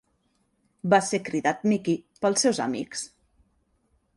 Va ser cridat Mickey pels seus amics.